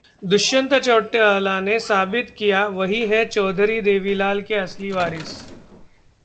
दुष्यंत चौटाला ने साबित किया, वही हैं चौधरी देवीलाल के असली वारिस